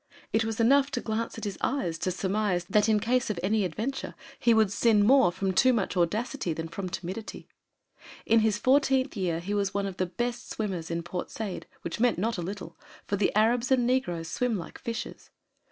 It was enough to glance at his eyes to surmise that in case of any adventure he would sin more from too much audacity than from timidity. In his fourteenth year, he was one of the best swimmers in Port Said, which meant not a little, for the Arabs and negroes swim like fishes.